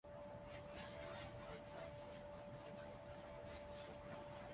Usain bolt نے football کی دنیا میں قدم رکھ دیا